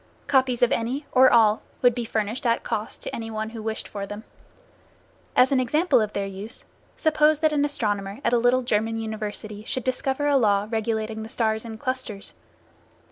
Copies of any, or all, would be furnished at cost to any one who wished for them. As an example of their use, suppose that an astronomer at a little German University should discover a law regulating the stars in clusters.